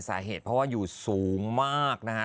สาเหตุเพราะว่าอยู่สูงมากนะฮะ